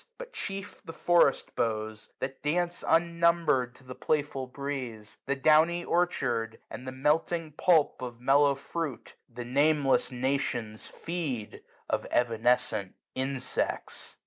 But chief the forest boughs, That dance unnumbered to the playful breeze j 300 The downy orchard, and the melting pulp Of mellow fruit, the nameless nations feed Of evanescent insects.